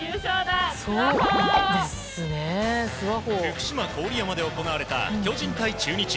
福島・郡山で行われた巨人対中日。